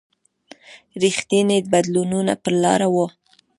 رښتیني بدلونونه پر لاره و.